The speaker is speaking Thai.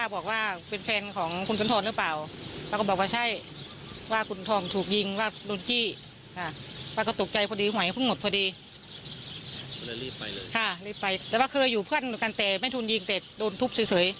บ้านเดียวกันโดนทุบ